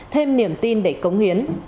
thêm niềm tin để cống hiến